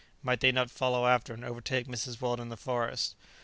might they not follow after and overtake Mrs. Weldon in the forest?